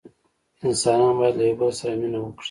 انسانان باید له یوه بل سره مینه وکړي.